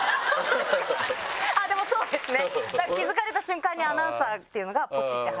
でもそうですね。